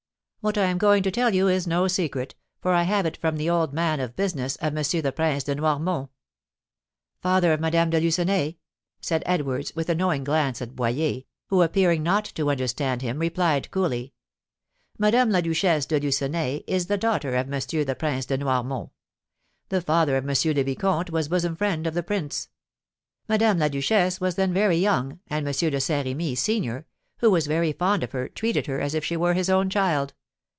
"What I am going to tell you is no secret, for I have it from the old man of business of M. the Prince de Noirmont." "Father of Madame de Lucenay?" said Edwards, with a knowing glance at Boyer, who, appearing not to understand him, replied coolly: "Madame la Duchesse de Lucenay is the daughter of M. the Prince de Noirmont. The father of M. le Vicomte was bosom friend of the prince. Madame la Duchesse was then very young, and M. de Saint Remy, senior, who was very fond of her, treated her as if she were his own child.